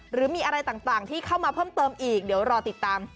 หรือมีอะไรต่างที่เข้ามาเพิ่มเติมอีกเดี๋ยวรอติดตาม